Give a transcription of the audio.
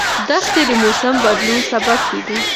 دښتې د موسم د بدلون سبب کېږي.